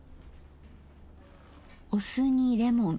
お酢にレモン。